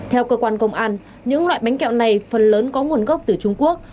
theo cơ quan công an những loại bánh kẹo này phần lớn có nguồn gốc từ trung quốc